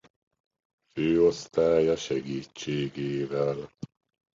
Főosztálya segítségével.